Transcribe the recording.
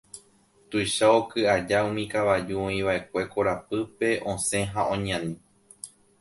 Tuicha oky aja umi kavaju oĩva'ekue korapýpe osẽ ha oñani.